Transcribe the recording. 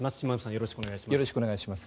よろしくお願いします。